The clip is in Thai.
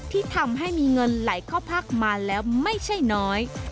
ที่ทำให้มีเงินไหลเข้าพักมาแล้วไม่ใช่น้อย